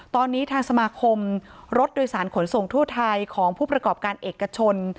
ตอนนี้ทางสมาคมรถโดยสารขนส่งทั่วไทยของผู้ประกอบการเอกชน